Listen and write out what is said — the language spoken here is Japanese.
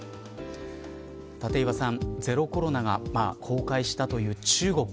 立岩さん、ゼロコロナが崩壊したという中国